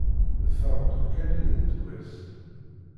D faruq kan i d ddwa-s.